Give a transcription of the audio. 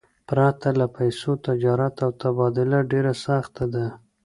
پرته له پیسو، تجارت او تبادله ډېره سخته ده.